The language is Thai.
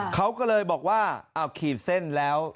เขาก็เลยบอกว่าเอาขีดเส้นแล้ว